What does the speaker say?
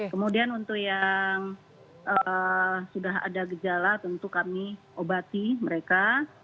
kemudian untuk yang sudah ada gejala tentu kami obati mereka